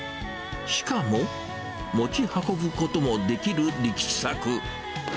しかも、持ち運ぶこともできる力作。